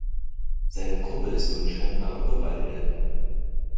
Seine Kuppe ist unscheinbar und bewaldet.